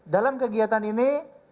dalam kegiatan ini